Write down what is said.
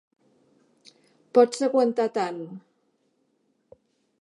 Pots aguantar tant.